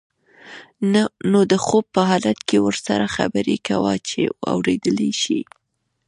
نو د خوب په حالت کې ورسره خبرې کوه چې اوریدلی شي.